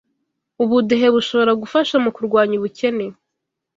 ubudehe bushobora gufasha mu kurwanya ubukene